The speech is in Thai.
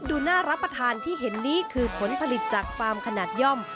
ดูน่ารับประทานที่เห็นนี้คือผลผลิตจากฟาร์มขนาดย่อม